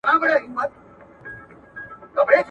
ښځي د خپلو وجايبو په اندازه حقوق لري.